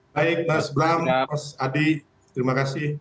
baik mas bram mas adi terima kasih